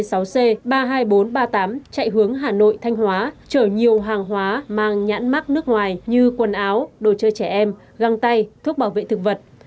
xe ba mươi hai nghìn bốn trăm ba mươi tám chạy hướng hà nội thanh hóa chở nhiều hàng hóa mang nhãn mắc nước ngoài như quần áo đồ chơi trẻ em găng tay thuốc bảo vệ thực vật